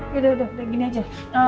yaudah udah gini aja